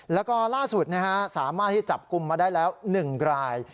แล้วก็ล่าสุดสามารถที่จับกลุ่มมาได้แล้ว๑ราย